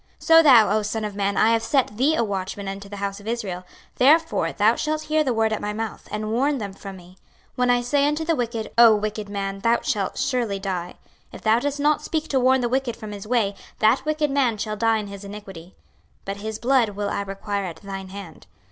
26:033:007 So thou, O son of man, I have set thee a watchman unto the house of Israel; therefore thou shalt hear the word at my mouth, and warn them from me. 26:033:008 When I say unto the wicked, O wicked man, thou shalt surely die; if thou dost not speak to warn the wicked from his way, that wicked man shall die in his iniquity; but his blood will I require at thine hand.